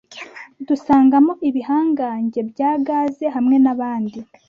dusangamo ibihangange bya gaze hamwe nabandi